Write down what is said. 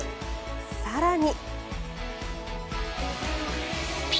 更に。